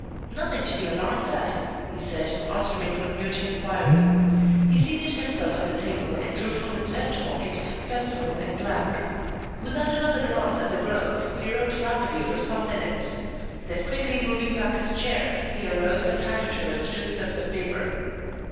"Nothing to be alarmed at," he said, answering her mute inquiry. He seated himself at the table, and drew from his vest pocket pencil and blank. Without another glance at the girl, he wrote rapidly for some minutes; then quickly moving back his chair, he arose and handed her the two slips of paper.